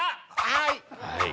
はい！